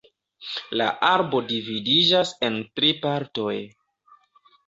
La arbo dividiĝas en tri partoj.